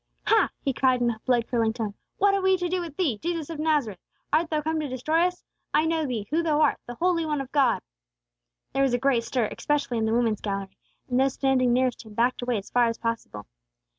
"Ha!" he cried, in a blood curdling tone. "What have we to do with Thee, Jesus of Nazareth? Art thou come to destroy us? I know Thee, who thou art, the holy One of God!" There was a great stir, especially in the woman's gallery; and those standing nearest him backed away as far as possible.